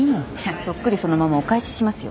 そっくりそのままお返ししますよ。